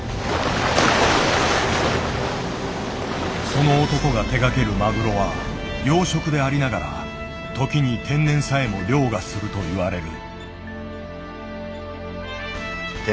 その男が手がけるマグロは養殖でありながら時に天然さえも凌駕するといわれる。